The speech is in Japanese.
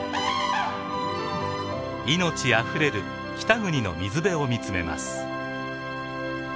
命あふれる北国の水辺を見つめます。